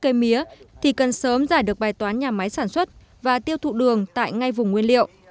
cây mía thì cần sớm giải được bài toán nhà máy sản xuất và tiêu thụ đường tại ngay vùng nguyên liệu